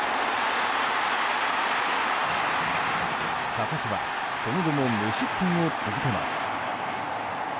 佐々木はその後も無失点を続けます。